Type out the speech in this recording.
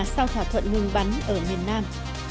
sau thỏa thuận ngừng bắn ở miền nam